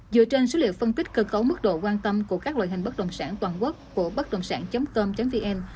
dựa trên số liệu phân tích cơ cấu mức độ quan tâm của các loại hình bất đồng sản toàn quốc của bấtđồngsản com vn